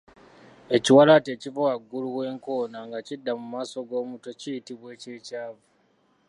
Ekiwalaata ekiva waggulu w’enkoona nga kidda mu maaso g’omutwe kiyitibwa eky’ekyavu.